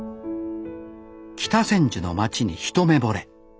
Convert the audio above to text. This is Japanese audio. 北千住の街に一目ぼれ。